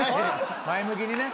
前向きにね。